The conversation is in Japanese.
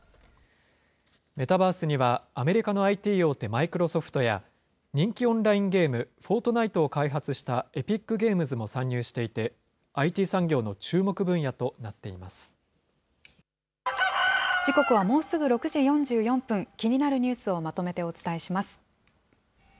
メタバースには、アメリカのＩＴ大手マイクロソフトや、人気オンラインゲーム、フォートナイトを開発したエピックゲームズも参入していて、ＩＴ産業の注目分野と時刻はもうすぐ６時４４分、気になるニュースをまとめてお伝えします。